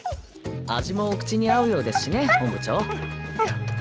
味もお口に合うようですしね本部長。